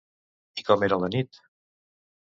I com era la nit?